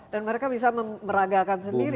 dan mereka bisa meragakan sendiri